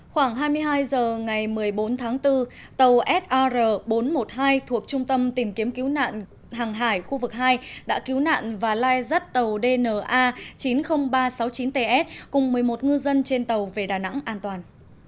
khoảng hai mươi hai h ngày một mươi bốn tháng bốn tàu sar bốn trăm một mươi hai thuộc trung tâm tìm kiếm cứu nạn hàng hải khu vực hai đã cứu nạn và lai rắt tàu dna chín mươi nghìn ba trăm sáu mươi chín ts cùng một mươi một ngư dân trên tàu về đà nẵng an toàn